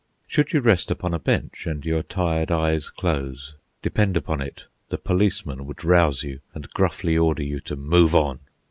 Should you rest upon a bench, and your tired eyes close, depend upon it the policeman would rouse you and gruffly order you to "move on."